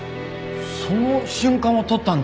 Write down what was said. その瞬間を撮ったんだ。